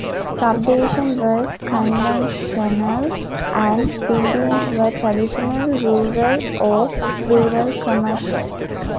Subdivision was conventional and buildings were traditional rural or rural commercial.